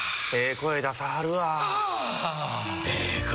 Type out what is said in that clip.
声出さはるわ